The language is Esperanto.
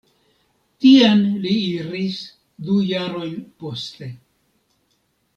Tien li iris du jarojn poste.